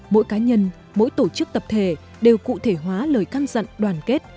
mỗi cá nhân mỗi tổ chức tập thể đều cụ thể hóa lời can dặn đoàn kết